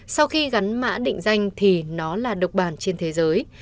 sau khi gắn mã định danh thì nó là độc bản trên thế giới